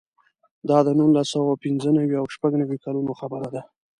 دا د نولس سوه پنځه نوي او شپږ نوي کلونو خبره ده.